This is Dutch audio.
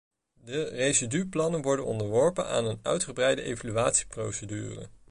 De residuplannen worden onderworpen aan een uitgebreide evaluatieprocedure.